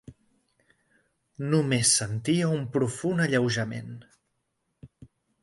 Només sentia un profund alleujament